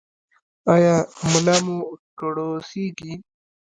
ایا ملا مو کړوسیږي؟